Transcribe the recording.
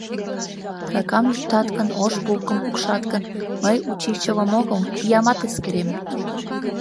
Аракам йӱктат гын, ош булкым пукшат гын, мый учичылым огыл, иямат эскерем...